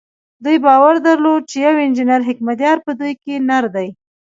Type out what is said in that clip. دوی باور درلود چې يو انجنير حکمتیار په دوی کې نر دی.